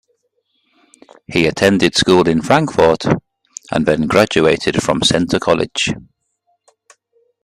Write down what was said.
He attended school in Frankfort and then graduated from Centre College.